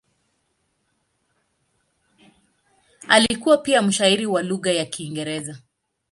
Alikuwa pia mshairi wa lugha ya Kiingereza.